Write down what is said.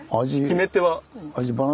決め手は？